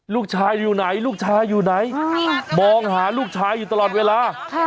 ลูกชายอยู่ไหนลูกชายอยู่ไหนมองหาลูกชายอยู่ตลอดเวลา